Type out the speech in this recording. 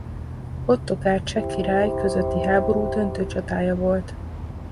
Ottokár cseh király közötti háború döntő csatája volt.